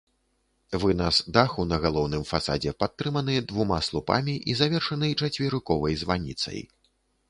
Вынас даху на галоўным фасадзе падтрыманы двума слупамі і завершаны чацверыковай званіцай.